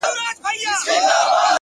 هره ستونزه د نوې لارې پیل وي,